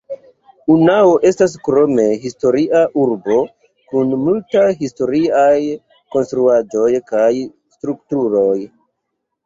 Unnao estas krome historia urbo kun multaj historiaj konstruaĵoj kaj strukturoj.